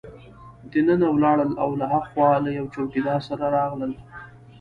دننه ولاړل او له هاخوا له یوه چوکیدار سره راغلل.